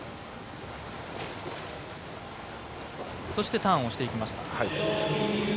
そしてターンをしていきました。